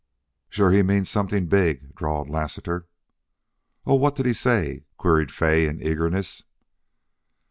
"Shore he means somethin' big," drawled Lassiter. "Oh, what did he say?" queried Fay in eagerness.